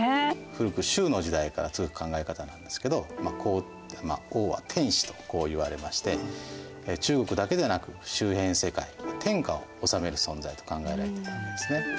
古く周の時代から続く考え方なんですけど王は天子と言われまして中国だけでなく周辺世界天下を治める存在と考えられているわけですね。